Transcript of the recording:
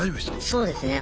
そうですね。